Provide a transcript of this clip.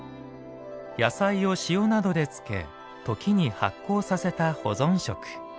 野菜を塩などで漬け時に発酵させた保存食。